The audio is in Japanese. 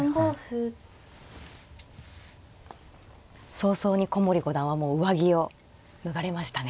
早々に古森五段はもう上着を脱がれましたね。